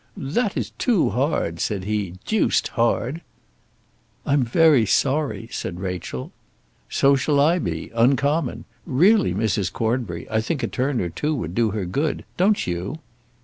"That is too hard," said he; "deuced hard." "I'm very sorry," said Rachel. "So shall I be, uncommon. Really, Mrs. Cornbury, I think a turn or two would do her good. Don't you?"